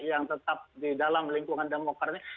yang tetap di dalam lingkungan demokrat